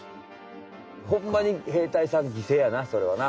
ホンマに兵隊さんぎせいやなそれはな。